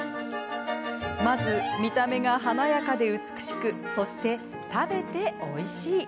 まず、見た目が華やかで美しくそして食べておいしい。